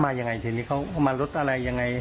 ยังไงทีนี้เขามารถอะไรยังไง